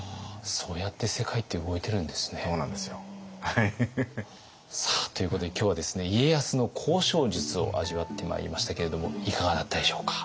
そうなんですよ。ということで今日は家康の交渉術を味わってまいりましたけれどもいかがだったでしょうか？